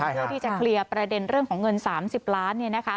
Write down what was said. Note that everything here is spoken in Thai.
เพื่อที่จะเคลียร์ประเด็นเรื่องของเงิน๓๐ล้านเนี่ยนะคะ